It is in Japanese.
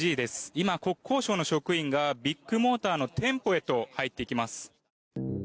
今、国交省の職員がビッグモーターの店舗へと入っていきます。